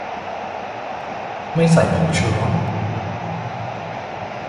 ไม่ใส่ผงชูรส